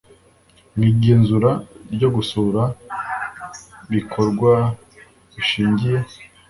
mu igenzura ryo gusura bikorwa bishingiye